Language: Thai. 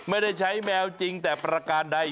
ไม่ได้ใช้แมวจริงแต่ประการใด